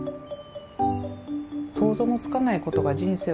「想像もつかないことが人生は起きる。